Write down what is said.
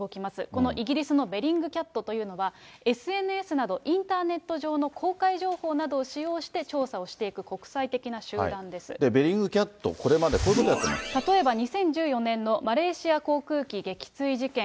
このイギリスのベリングキャットというのは、ＳＮＳなど、インターネット上の公開情報などを使用して、ベリングキャット、これまで例えば、２０１４年のマレーシア航空機撃墜事件。